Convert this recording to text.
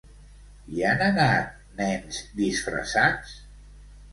Hi han anat nens disfressats?